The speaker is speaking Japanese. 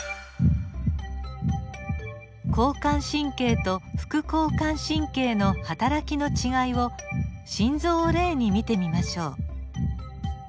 交感神経と副交感神経のはたらきの違いを心臓を例に見てみましょう。